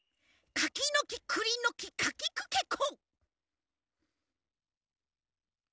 かきのきくりのきかきくけこ！